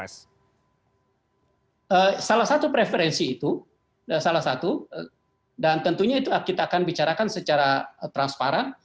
salah satu preferensi itu salah satu dan tentunya itu kita akan bicarakan secara transparan